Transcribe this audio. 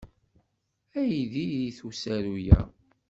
Ay diri-t usaru-a!